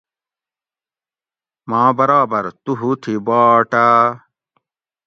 ماں برابر تُو ہُو تھی باٹہ